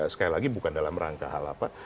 sekali lagi bukan dalam rangka hal apa